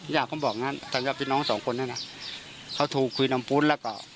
ย่าเขาบอกงั้นจังหยัดพี่น้องสองคนนั่นนะเขาถูกคุยนำปุ้นแล้วก็